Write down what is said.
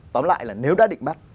tóm lại là nếu đã định bắt